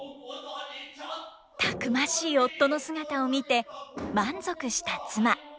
たくましい夫の姿を見て満足した妻。